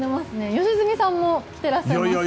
良純さんも着ていらっしゃいます。